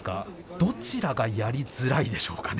どちらがやりづらいでしょうかね。